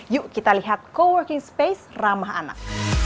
yuk kita lihat coworking space ramah anak